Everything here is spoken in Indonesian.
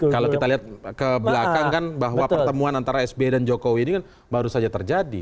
kalau kita lihat ke belakang kan bahwa pertemuan antara sbe dan jokowi ini kan baru saja terjadi